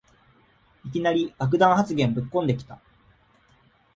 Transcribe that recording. いきなり爆弾発言ぶっこんできた